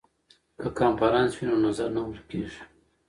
که کنفرانس وي نو نظر نه ورک کیږي.